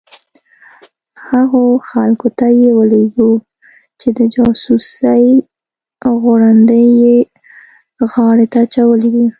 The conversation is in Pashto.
هغو خلکو ته یې ولېږو چې د جاسوسۍ غړوندی یې غاړې ته اچولي وو.